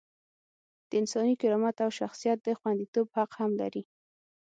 د انساني کرامت او شخصیت د خونديتوب حق هم لري.